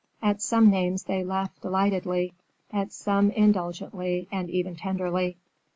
At some names they laughed delightedly, at some indulgently and even tenderly.